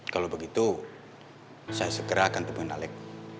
kalau begitu saya segera akan temukan alec